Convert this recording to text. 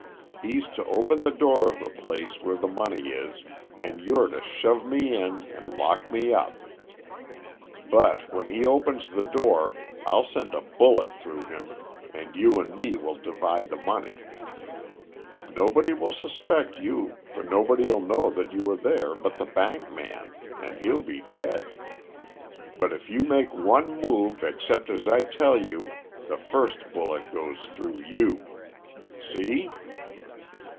He's to open the door of the place where the money is, and you're to shove me in and lock me up. But when he opens the door I'll send a bullet through him, and you and me will divide the money. Nobody will suspect you, for nobody'll know you were there but the bank man, and he'll be dead. But if you make one move except as I tell you the first bullet goes through you. See?"